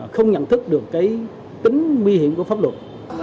không nhận thức được tính nguy hiểm của pháp luật